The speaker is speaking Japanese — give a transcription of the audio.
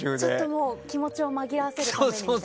気持ちを紛らわせるためにみたいな。